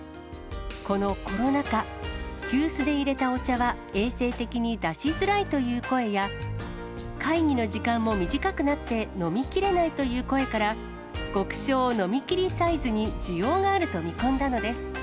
このコロナ禍、急須で入れたお茶は衛生的に出しづらいという声や、会議の時間も短くなって飲みきれないという声から、極小飲みきりサイズに需要があると見込んだのです。